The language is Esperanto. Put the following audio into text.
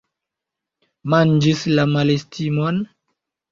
Manĝis la malestimon?